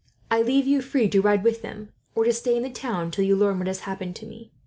I leave you free to ride with them, or to stay in the town till you learn what has happened to me.